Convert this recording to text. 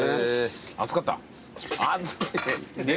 熱かった？